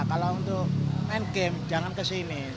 kalau untuk main game jangan ke sini